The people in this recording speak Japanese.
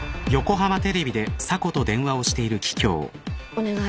お願い。